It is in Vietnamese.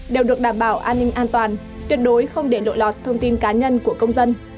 đều được đảm bảo an ninh an toàn tuyệt đối không để lộ lọt thông tin cá nhân của công dân